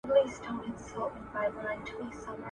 د لاس لیکنه د ځان د ارزوني تر ټولو ښه لاره ده.